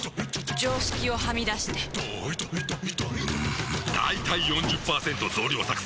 常識をはみ出してんだいたい ４０％ 増量作戦！